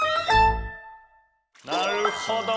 なるほど。